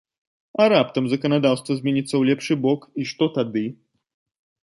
А раптам заканадаўства зменіцца ў лепшы бок, і што тады?